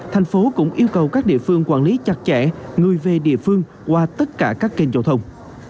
thành phố cũng yêu cầu các địa phương quản lý chặt chẽ người về địa phương qua tất cả các kênh giao thông